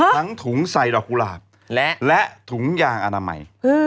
ถุงใส่ดอกกุหลาบและถุงยางอนามัย